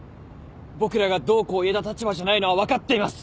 僕らがどうこう言えた立場じゃないのは分かっています。